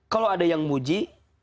kalau ada yang muji